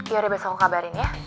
ya udah besok gue kabarin ya